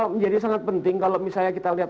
menjadi sangat penting kalau misalnya kita lihat